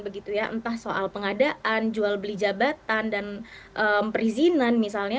entah soal pengadaan jual beli jabatan dan perizinan misalnya